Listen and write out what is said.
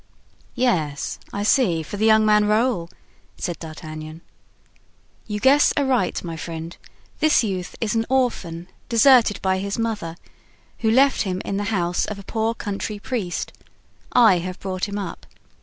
"Yes, I see, for the young man Raoul," said D'Artagnan. "You guess aright, my friend; this youth is an orphan, deserted by his mother, who left him in the house of a poor country priest. I have brought him up.